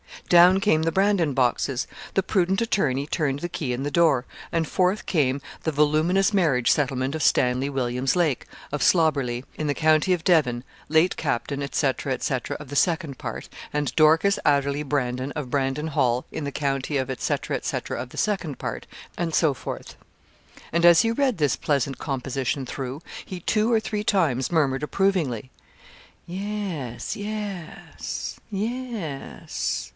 Down came the Brandon boxes. The prudent attorney turned the key in the door, and forth came the voluminous marriage settlement of Stanley Williams Lake, of Slobberligh, in the county of Devon, late captain, &c., &c. of the second part, and Dorcas Adderley Brandon, of Brandon Hall, in the county of &c., &c. of the second part, and so forth. And as he read this pleasant composition through, he two or three times murmured approvingly, 'Yes yes yes.'